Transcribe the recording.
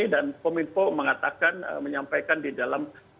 dan kominfo mengatakan menyampaikan di dalam